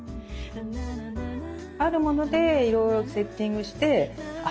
あるものでいろいろセッティングしてあっ